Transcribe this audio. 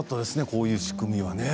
こういう仕組みはですね。